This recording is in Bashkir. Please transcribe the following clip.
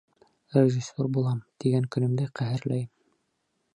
Режиссер булам, тигән көнөмдө ҡәһәрләйем.